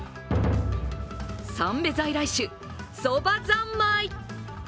三瓶在来種そば三昧。